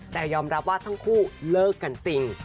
แต่ยอมรับว่าทั้งคู่เลิกกันจริง